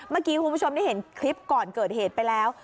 เมื่อกี้คุณผู้ชมได้เห็นคลิปก่อนเกิดเหตุไปแล้ว